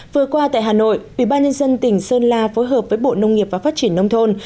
vừa qua tại hà nội ủy ban nhân dân tỉnh sơn la phối hợp với bộ nông nghiệp và phát triển nông thôn